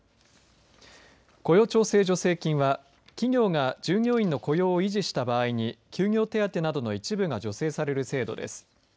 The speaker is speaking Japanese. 雇用調整助成金は企業が従業員の雇用を維持した場合に休業手当てなどの一部が助成される制度です。